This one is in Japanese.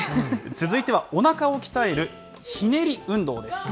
続いてはおなかを鍛えるひねり運動です。